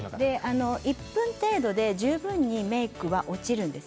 １分程度で十分メークは落ちるんです。